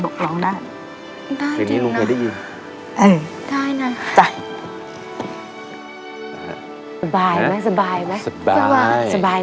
คิดนี่ที่รูฉันได้ยิน